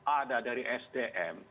ada dari sdm